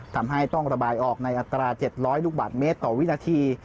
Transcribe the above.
ทำให้ต้องระบายออกในอัตรา๗๐๐ลูกบาทเมตรต่อวินาที